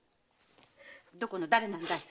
どこの誰なんだい